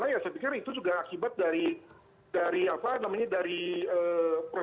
saya pikir itu juga akibat dari proses